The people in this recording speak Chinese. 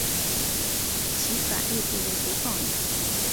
其反义字为不放逸。